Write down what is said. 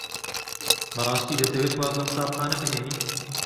بەڕاستی دەتەوێت واز لە قوتابخانە بهێنیت؟